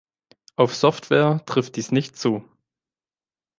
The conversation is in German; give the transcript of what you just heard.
Auf Software trifft dies nicht zu.